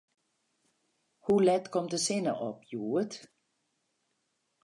Hoe let komt de sinne op hjoed?